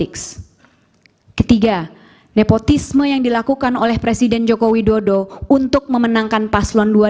ketiga nepotisme yang dilakukan oleh presiden joko widodo untuk memenangkan paslon dua